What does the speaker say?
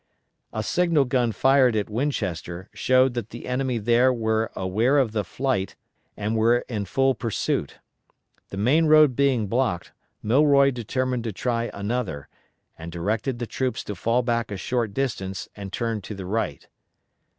A signal gun fired at Winchester showed that the enemy there were aware of the flight and were in full pursuit. The main road being blocked, Milroy determined to try another, and directed the troops to fall back a short distance and turn to the right.